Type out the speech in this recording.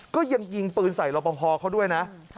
ก็ยิงปืนใส่รอบพอพอเขาด้วยนะ